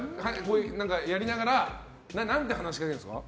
やりながら何て話しかけるんですか？